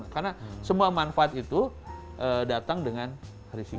karena semua manfaat itu datang dengan risiko